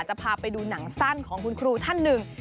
จะพาไปดูหนังสั้นของคุณครูท่านหนึ่ง